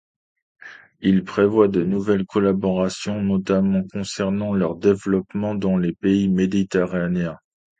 Ils prévoient de nouvelles collaboration, notamment concernant leur développement dans les pays méditerranéens.